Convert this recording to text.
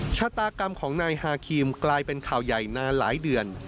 ชะตากรรมของนายฮาครีมกลายเป็นข่าวใหญ่นานหลายเดือน